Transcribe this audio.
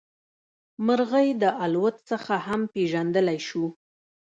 مرغۍ د الوت څخه هم پېژندلی شو.